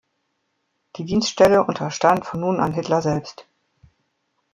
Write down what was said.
Die Dienststelle unterstand von nun an Hitler selbst.